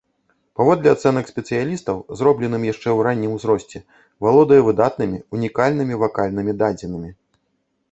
Паводле ацэнак спецыялістаў, зробленым яшчэ ў раннім ўзросце, валодае выдатнымі, унікальнымі вакальнымі дадзенымі.